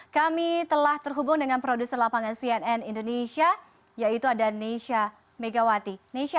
kami telah terhubung dengan produser lapangan cnn indonesia yaitu ada nesha megawati